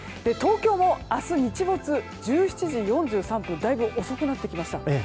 東京も明日、日没は１７時４３分とだいぶ遅くなってきました。